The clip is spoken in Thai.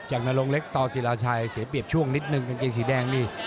นรงเล็กต่อศิราชัยเสียเปรียบช่วงนิดนึงกางเกงสีแดงนี่